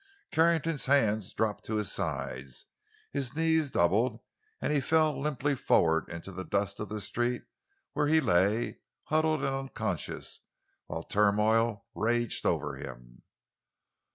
Carrington's hands dropped to his sides, his knees doubled and he fell limply forward into the dust of the street where he lay, huddled and unconscious, while turmoil raged over him.